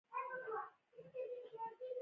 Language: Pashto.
ورځې زما د پلار ورغوو کې ،